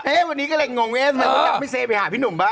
เฮ้ยวันนี้ก็แหลงงงไงจะไม่เซไปหาพี่หนุ่มป่ะ